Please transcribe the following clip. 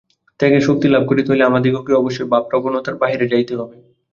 ত্যাগের শক্তি লাভ করিতে হইলে আমাদিগকে অবশ্যই ভাবপ্রবণতার বাহিরে যাইতে হইবে।